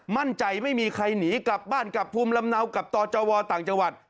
มั่นใจไม่มีใครหนีกลับบ้านกลับภูมิลำเนากับตจวต่างจังหวัด